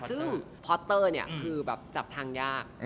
ซึ่งพอสเตอร์เนี่ยคือแบบจับทางยาก